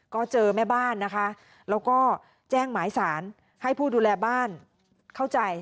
ก็เจอแม่บ้านนะคะแล้วก็แจ้งหมายสารให้ผู้ดูแลบ้านเข้าใจ